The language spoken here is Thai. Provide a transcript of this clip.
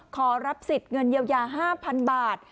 ขอรับสิทธิ์เงินเยียวยา๕๐๐๐บาท